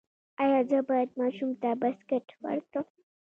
ایا زه باید ماشوم ته بسکټ ورکړم؟